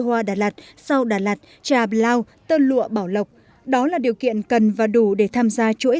hoa đà lạt sau đà lạt trà blau tân lụa bảo lộc đó là điều kiện cần và đủ để tham gia chuỗi